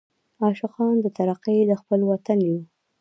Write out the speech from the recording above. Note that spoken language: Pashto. عاشقان د ترقۍ د خپل وطن یو.